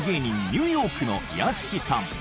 ニューヨークの屋敷さん